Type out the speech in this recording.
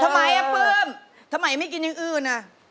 ทำไมอ่ะปลื้มทำไมไม่กินอย่างอื่นอ่ะ